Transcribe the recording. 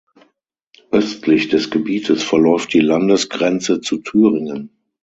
Östlich des Gebietes verläuft die Landesgrenze zu Thüringen.